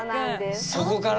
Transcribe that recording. そこから？